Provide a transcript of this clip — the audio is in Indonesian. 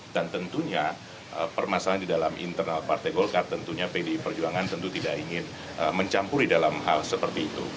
dan tentunya permasalahan di dalam internal partai golkar tentunya pdi perjuangan tentu tidak ingin mencampuri dalam hal seperti itu